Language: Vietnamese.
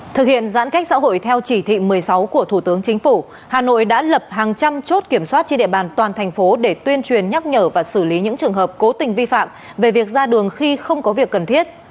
thực hiện giãn cách xã hội theo chỉ thị một mươi sáu của thủ tướng chính phủ hà nội đã lập hàng trăm chốt kiểm soát trên địa bàn toàn thành phố để tuyên truyền nhắc nhở và xử lý những trường hợp cố tình vi phạm về việc ra đường khi không có việc cần thiết